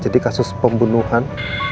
jadi kasus pembunuhan